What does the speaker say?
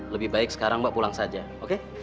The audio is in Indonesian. lebih baik sekarang mbak pulang saja oke